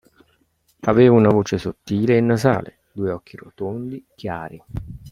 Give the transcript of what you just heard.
Aveva una voce sottile e nasale, due occhi rotondi, chiari.